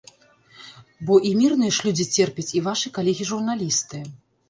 Бо і мірныя ж людзі церпяць і вашы калегі-журналісты.